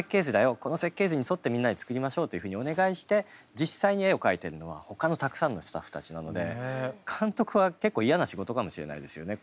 この設計図に沿ってみんなで作りましょうというふうにお願いして実際に絵を描いてるのはほかのたくさんのスタッフたちなので監督は結構嫌な仕事かもしれないですよね。